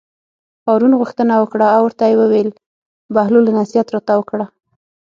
هارون غوښتنه وکړه او ورته ویې ویل: بهلوله نصیحت راته وکړه.